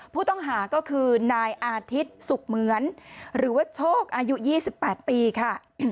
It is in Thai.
ผู้ต้องหาก็คือนายอาทิตย์สุขเหมือนหรือว่าโชคอายุ๒๘ปีค่ะ